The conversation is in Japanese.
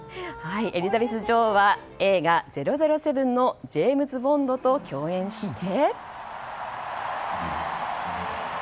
エリザベス女王は映画「００７」のジェームズ・ボンドと共演して。